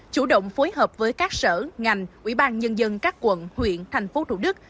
chủ động phối hợp với các sở ngành ủy ban nhân dân các quận huyện thành phố thủ đức